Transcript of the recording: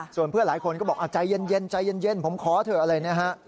ส่วนเพื่อนหลายคนก็บอกใจเย็นใจเย็นผมขอเถอะอะไรนะฮะ